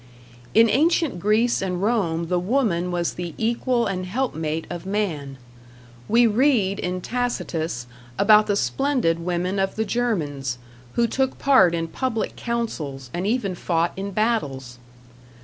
In ancient Greece and Rome the woman was the equal and helpmate of man; we read in Tacitus about the splendid women of the Germans, who took part in public councils, and even fought in battles.